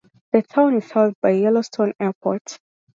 The town is served by Yellowstone Airport.